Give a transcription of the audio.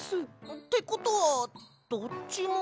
ってことはどっちも。